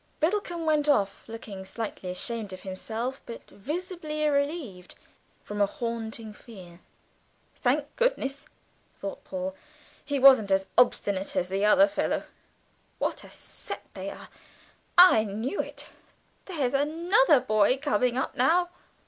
Biddlecomb went off, looking slightly ashamed of himself but visibly relieved from a haunting fear. "Thank goodness!" thought Paul, "he wasn't as obstinate as the other fellow. What a set they are! I knew it, there's another boy coming up now!"